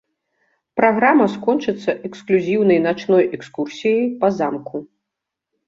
Праграма скончыцца эксклюзіўнай начной экскурсіяй па замку.